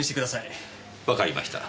わかりました。